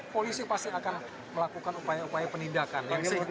polisi pasti akan melakukan upaya upaya penindakan